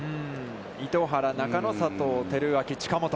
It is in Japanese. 糸原、中野、佐藤輝明、近本。